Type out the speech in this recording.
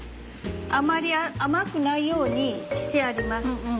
あまり甘くないようにしてあります。